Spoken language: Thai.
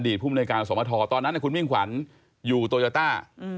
ภูมิในการสมทรตอนนั้นคุณมิ่งขวัญอยู่โตยาต้า